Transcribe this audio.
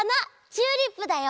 チューリップだよ！